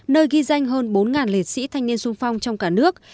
nơi ghi danh hơn bốn liệt sĩ thanh niên sung phong trong cả nước